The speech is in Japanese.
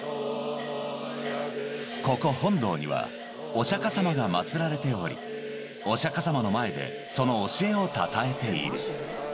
ここ、本堂にはお釈迦様が祭られており、お釈迦様の前でその教えをたたえている。